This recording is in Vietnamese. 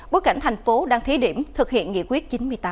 bối cảnh thành phố đang thí điểm thực hiện nghị quyết chín mươi tám